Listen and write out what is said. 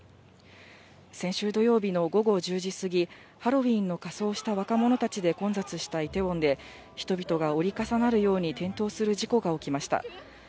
先週土曜日の午後１０時過ぎ、ハロウィーンの仮装をした若者たちで混雑したイテウォンで、人々が折り重なるように転倒する事故が起きました。